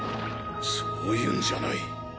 そういうんじゃない。